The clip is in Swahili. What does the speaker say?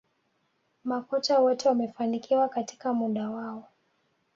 Makocha wote wamefanikiwa katika muda wao